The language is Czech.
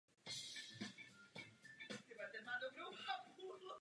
Odsud je poprvé viděl vrchol.